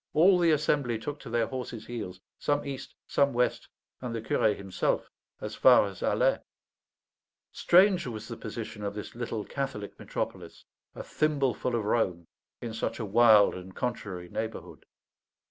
all the assembly took to their horses' heels, some east, some west, and the curé himself as far as Alais. Strange was the position of this little Catholic metropolis, a thimbleful of Rome, in such a wild and contrary neighbourhood.